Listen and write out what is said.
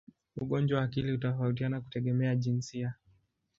Ugonjwa wa akili hutofautiana kutegemea jinsia.